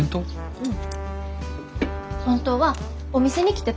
うん。